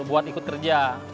buat ikut kerja